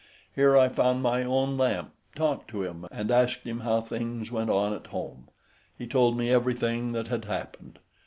Here I found my own lamp, talked to him, and asked him how things went on at home; he told me everything that had happened.